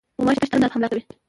غوماشې تل ناڅاپي حمله کوي.